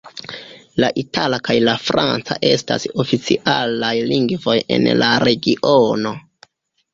La itala kaj la franca estas oficialaj lingvoj en la regiono.